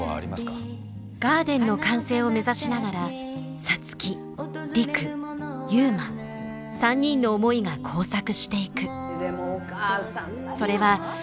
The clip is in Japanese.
ガーデンの完成を目指しながら皐月陸悠磨３人の思いが交錯していく。